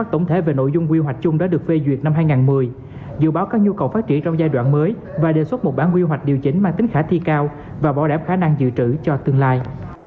tổng thể về nội dung quy hoạch chung đã được phê duyệt năm hai nghìn một mươi dự báo các nhu cầu phát triển trong giai đoạn mới và đề xuất một bản quy hoạch điều chỉnh mang tính khả thi cao và bảo đảm khả năng dự trữ cho tương lai